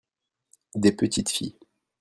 des petites filles.